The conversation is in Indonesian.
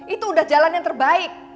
itu udah jalan yang terbaik